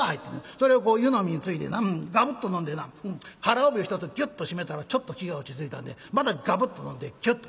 それを湯飲みについでなガブッと飲んでな腹帯をひとつギュッと締めたらちょっと気が落ち着いたんでまたガブッと飲んでキュッと。